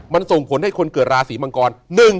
มันส่งผลให้คนเกิดราศีมังกร